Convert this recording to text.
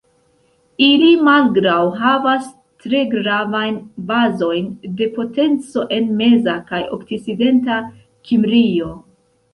Ili malgraŭ havas tre gravajn bazojn de potenco en meza kaj okcidenta Kimrio.